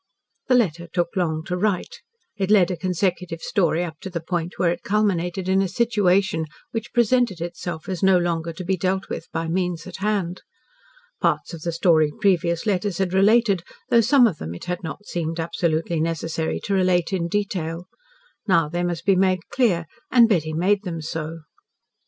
. The letter took long to write. It led a consecutive story up to the point where it culminated in a situation which presented itself as no longer to be dealt with by means at hand. Parts of the story previous letters had related, though some of them it had not seemed absolutely necessary to relate in detail. Now they must be made clear, and Betty made them so.